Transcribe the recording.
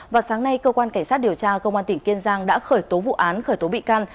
vào sáng nay cơ quan cảnh sát điều tra cơ quan tỉnh kiên giang đã khởi tố vụ án khởi tố bị căn